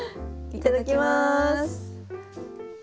いただきます！